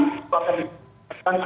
itu akan diperhatikan